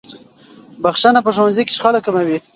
بخښنه په ښوونځي کې شخړې کموي.